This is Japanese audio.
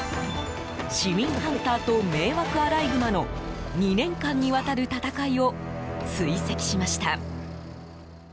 市民ハンターと迷惑アライグマの２年間にわたる闘いを追跡しました。